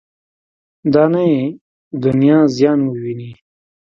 دا نه یې دنیا زیان وویني.